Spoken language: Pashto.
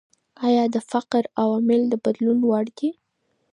ايا د فقر عوامل د بدلون وړ دي؟